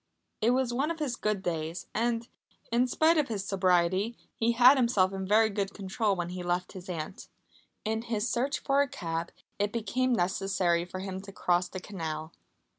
It was one of his good days and, in spite of his sobriety, he had himself in very good control when he left his aunt. In his search for a cab it became necessary for him to cross the canal.